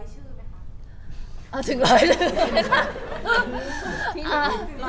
ถึงร้อยชื่อไหมคะ